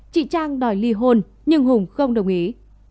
chị trang đòi ly hôn nhưng hùng không đồng ý